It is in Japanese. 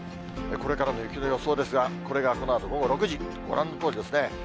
これからの雪の予想ですが、これがこのあと午後６時、ご覧のとおりですね。